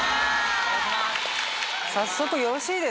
お願いします。